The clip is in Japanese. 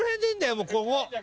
もうここ。